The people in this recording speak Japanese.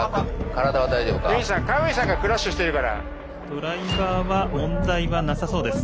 ドライバーは問題はなさそうです。